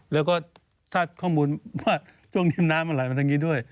แล้วก็ถ้าข้อมูลว่าช่วงนี้น้ำมันไหลมาทางนี้ด้วย